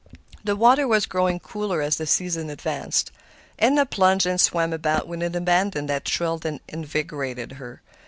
The water was growing cooler as the season advanced. Edna plunged and swam about with an abandon that thrilled and invigorated her.